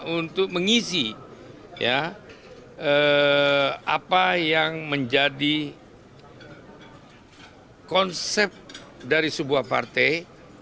untuk mengisi apa yang menjadi konsep dari sebuah partai